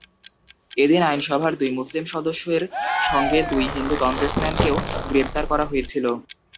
এদিন আইনসভার দুই মুসলিম সদস্যের সঙ্গে দুই হিন্দু কংগ্রেসম্যানকেও গ্রেপ্তার করা হয়েছিল।